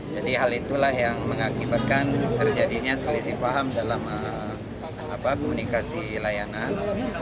jadi hal itulah yang mengakibatkan terjadinya selisih paham dalam komunikasi layanan